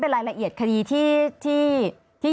รายละเอียดคดีที่